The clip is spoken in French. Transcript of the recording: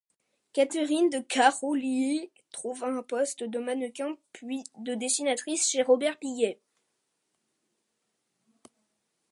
Catherine de Károlyi trouve un poste de mannequin puis de dessinatrice chez Robert Piguet.